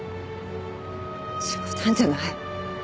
冗談じゃない！